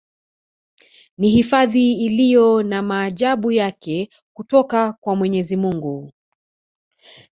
Ni hifadhi iliyo na maajabu yake kutoka kwa mwenyezi Mungu